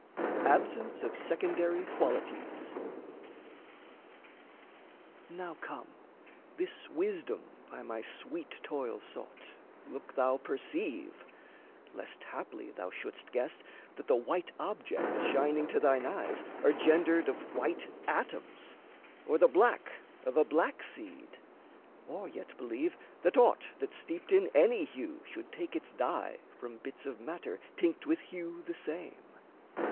ABSENCE OF SECONDARY QUALITIES Now come, this wisdom by my sweet toil sought Look thou perceive, lest haply thou shouldst guess That the white objects shining to thine eyes Are gendered of white atoms, or the black Of a black seed; or yet believe that aught That's steeped in any hue should take its dye From bits of matter tinct with hue the same.